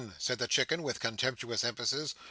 said the Chicken, with contemptuous emphasis.